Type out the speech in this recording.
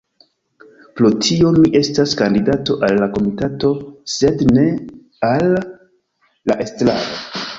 Pro tio mi estas kandidato al la komitato sed ne al la estraro.